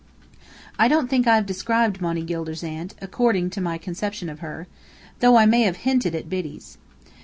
I don't think I have described Monny Gilder's aunt, according to my conception of her, though I may have hinted at Biddy's.